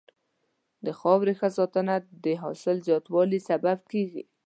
د خاورې ښه ساتنه د حاصل زیاتوالي سبب کېږي.